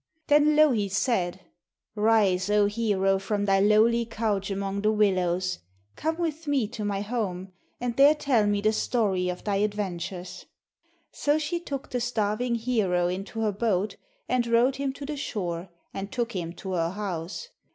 Then Louhi said: 'Rise, O hero, from thy lowly couch among the willows, come with me to my home and there tell me the story of thy adventures.' So she took the starving hero into her boat and rowed him to the shore, and took him to her house.